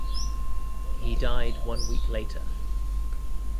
He died one week later.